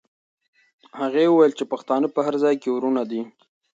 هغې وویل چې پښتانه په هر ځای کې وروڼه دي.